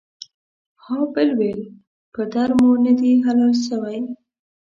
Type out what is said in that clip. ها بل ويل پر در مو ندي حلال سوى.